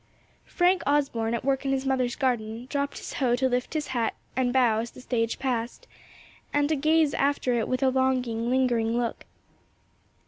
Frank Osborne, at work in his mother's garden, dropped his hoe to lift his hat and bow as the stage passed, and to gaze after it with a longing, lingering look.